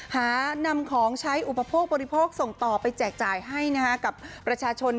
หานำของใช้อุปโภคบริโภคส่งต่อไปแจกจ่ายให้กับประชาชน